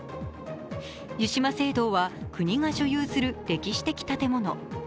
湯島聖堂は国が所有する歴史的建物。